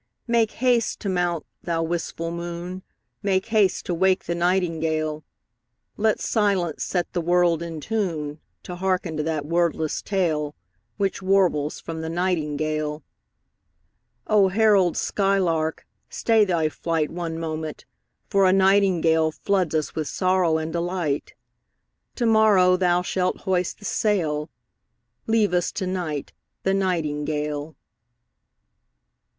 Make haste to mount, thou wistful moon, Make haste to wake the nightingale: Let silence set the world in tune To hearken to that wordless tale Which warbles from the nightingale O herald skylark, stay thy flight One moment, for a nightingale Floods us with sorrow and delight. To morrow thou shalt hoist the sail; Leave us to night the nightingale.